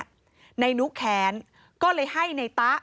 นายนุแขนก็เลยให้นายต๊ะ